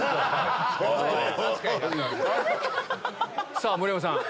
さぁ盛山さん。